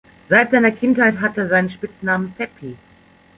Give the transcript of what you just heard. Seit seiner Kindheit hat er seinen Spitznamen "Peppi".